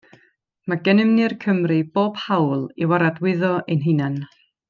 Mae gennym ni'r Cymry bob hawl i waradwyddo ein hunain.